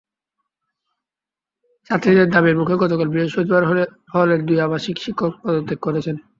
ছাত্রীদের দাবির মুখে গতকাল বৃহস্পতিবার হলের দুই আবাসিক শিক্ষক পদত্যাগ করেছেন।